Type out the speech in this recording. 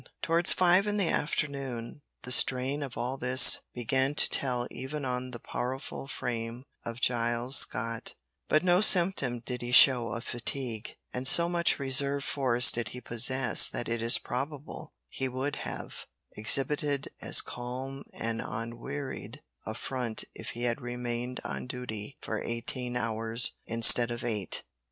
Towards five in the afternoon the strain of all this began to tell even on the powerful frame of Giles Scott, but no symptom did he show of fatigue, and so much reserve force did he possess that it is probable he would have exhibited as calm and unwearied a front if he had remained on duty for eighteen hours instead of eight.